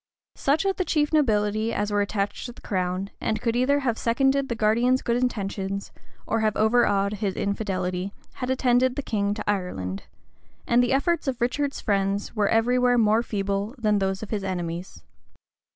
Such of the chief nobility as were attached to the crown, and could either have seconded the guardian's good intentions, or have overawed his infidelity, had attended the king into Ireland; and the efforts of Richard's friends were every where more feeble than those of his enemies.